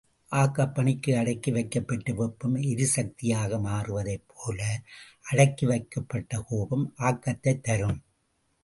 ஆக்கப்பணிக்கு அடக்கி வைக்கப்பெற்ற வெப்பம் எரிசக்தியாக மாறுவதைப்போல, அடக்கி வைக்கப்பட்ட கோபம் ஆக்கத்தைத் தரும்.